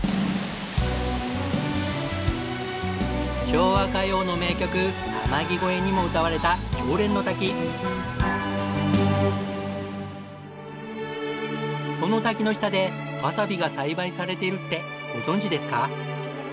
昭和歌謡の名曲『天城越え』にも歌われたこの滝の下でわさびが栽培されているってご存じですか？